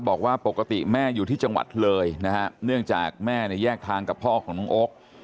บอกว่าปกติแม่อยู่ที่จังหวัดเลยนะฮะเนื่องจากแม่เนี่ยแยกทางกับพ่อของน้องโอ๊ค